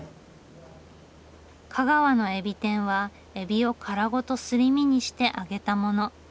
香川のえびてんはえびを殻ごとすり身にして揚げたもの。